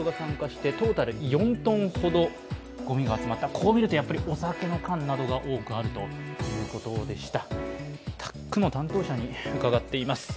こう見るとお酒の缶などが多くあるということでした。